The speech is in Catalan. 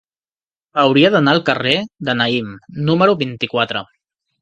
Hauria d'anar al carrer de Naïm número vint-i-quatre.